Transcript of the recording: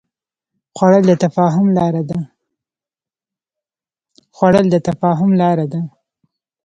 خوړل د تفاهم لاره ده